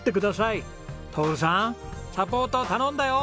徹さんサポート頼んだよ！